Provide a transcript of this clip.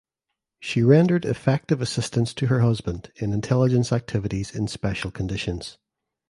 She rendered effective assistance to her husband in intelligence activities in special conditions.